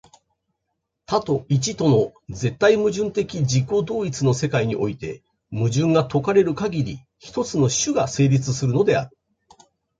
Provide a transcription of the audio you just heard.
多と一との絶対矛盾的自己同一の世界において、矛盾が解かれるかぎり、一つの種が成立するのである。